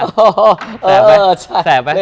แสบไหมแสบไหม